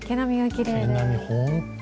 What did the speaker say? きれい。